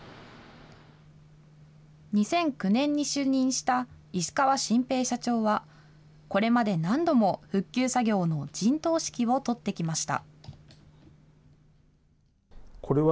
２００９年に就任した石川晋平社長は、これまで何度も復旧作業の陣頭指揮を執ってきました。